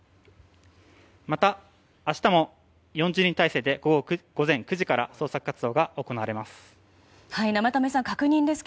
また、明日も４０人態勢で午前９時から捜索活動が行われます。